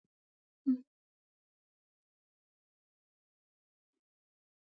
ما ورته وویل: نه په باکوس به قسم نه راکوې.